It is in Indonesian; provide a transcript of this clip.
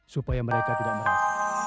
supaya mereka tidak merasa